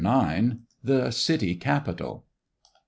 IX. The City Capitol.